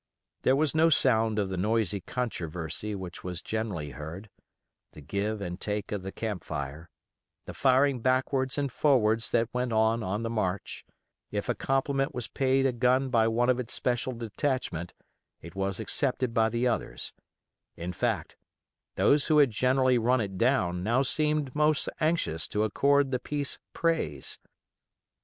There was no sound of the noisy controversy which was generally heard, the give and take of the camp fire, the firing backwards and forwards that went on on the march; if a compliment was paid a gun by one of its special detachment, it was accepted by the others; in fact, those who had generally run it down now seemed most anxious to accord the piece praise.